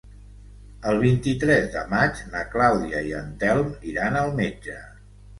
El vint-i-tres de maig na Clàudia i en Telm iran al metge.